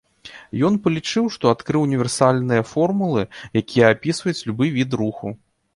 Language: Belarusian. Ён палічыў, што адкрыў універсальныя формулы, якія апісваюць любы від руху.